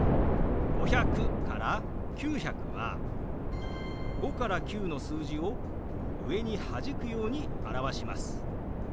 ５００から９００は５から９の数字を上にはじくように表します。